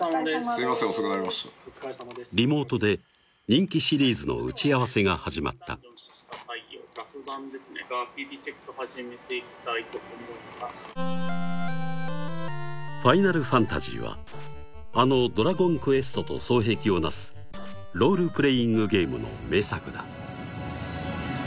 すいません遅くなりましたリモートで人気シリーズの打ち合わせが始まった「ファイナルファンタジー」はあの「ドラゴンクエスト」と双璧を成すロールプレーイングゲームの名作だ